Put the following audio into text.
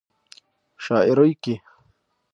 شاعرۍ کې